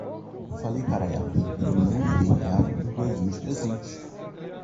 Eu falei para ela, eu não irei dar um coelhinho de presente.